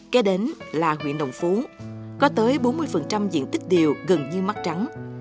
kế đến là huyện đồng phú có tới bốn mươi diện tích điều gần như mất trắng